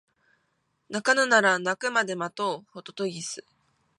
鳴かぬなら鳴くまで待とうホトトギス